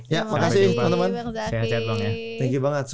ya makasih bang zaky